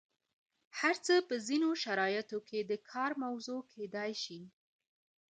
هر څه په ځینو شرایطو کې د کار موضوع کیدای شي.